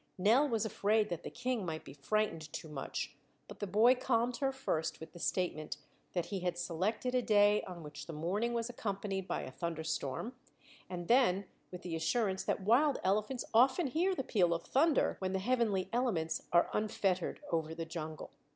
Nell was afraid that the King might be frightened too much, but the boy calmed her first with the statement that he had selected a day on which the morning was accompanied by a thunderstorm, and then with the assurance that wild elephants often hear the peal of thunder when the heavenly elements are unfettered over the jungle.